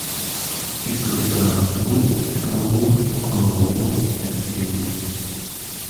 It could burn wood, coal, or oil as fuel.